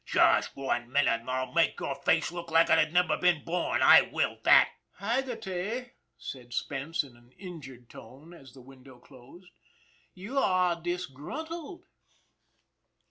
" Just one minute, an' I'll make your face look like it had never been born. I will that !"" Haggerty," said Spence in an injured tone, as the window closed, " you are disgruntled."